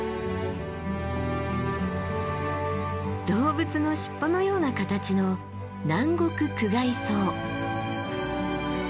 動物の尻尾のような形のナンゴククガイソウ。